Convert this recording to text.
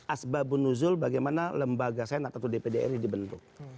asbabun nuzul bagaimana lembaga senat atau dpdri dibentuk